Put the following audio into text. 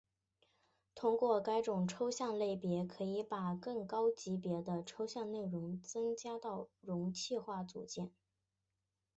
通过该种抽象类别可以把更高级别的抽象内容增加到容器化组件。